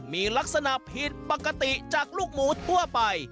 มีลักษณะผิดปกติจากลูกหมูทั่วไป